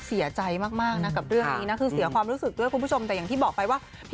พี่ไม่ได้มองคิดว่ามีค่าอะไรในตัว